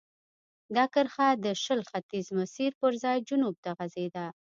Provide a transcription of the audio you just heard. دا کرښه د شل ختیځ مسیر پر ځای جنوب ته غځېده.